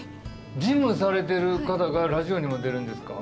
事務されてる方がラジオにも出るんですか？